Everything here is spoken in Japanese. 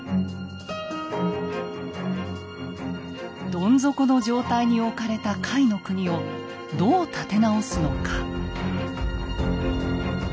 どん底の状態に置かれた甲斐国をどう立て直すのか。